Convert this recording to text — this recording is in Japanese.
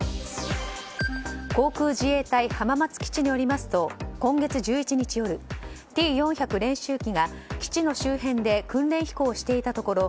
航空自衛隊浜松基地によりますと今月１１日夜Ｔ４００練習機が基地の周辺で訓練飛行していたところ